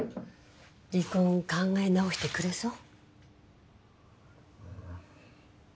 離婚考え直してくれそう？